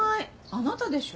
あなたでしょ？